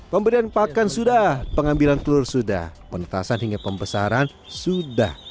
pemberian pakan sudah pengambilan telur sudah penetasan hingga pembesaran sudah